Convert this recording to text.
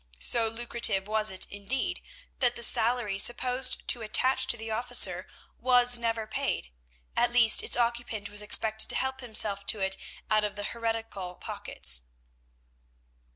So lucrative was it, indeed, that the salary supposed to attach to the office was never paid; at least its occupant was expected to help himself to it out of heretical pockets.